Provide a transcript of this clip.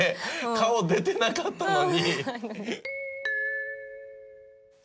顔出てなかったのに。